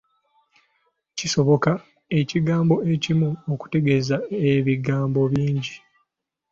Kisoboka ekigambo ekimu okutegeeza ebigambo bingi.